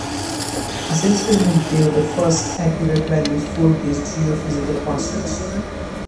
His experiment gave the first accurate values for these geophysical constants.